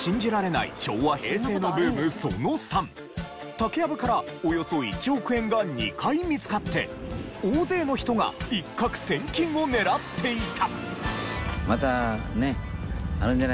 竹やぶからおよそ１億円が２回見つかって大勢の人が一獲千金を狙っていた。